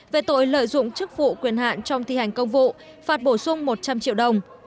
về tội lợi dụng chức vụ quyền hạn trong thi hành công vụ phạt bổ sung một trăm linh triệu đồng